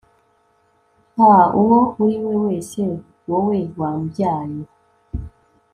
Ah Uwo uriwe wese wowe wambyaye